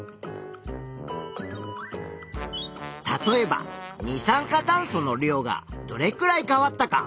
例えば二酸化炭素の量がどれくらい変わったか。